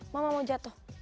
mama mau jatuh